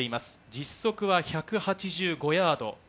実測は１８５ヤード。